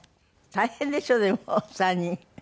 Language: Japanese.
大変でしょうでも３人。